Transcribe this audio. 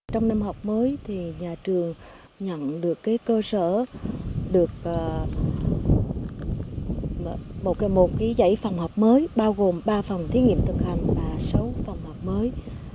trong năm học mới thì nhà trường nhận được cơ sở được một giải phòng học mới bao gồm ba phòng thí nghiệm thực hành và sáu phòng học mới